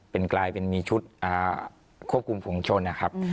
เป็นกลายเป็นมีชุดควบคุมฝุงชนนะครับ